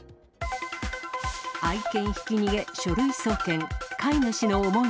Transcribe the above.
愛犬ひき逃げ、書類送検。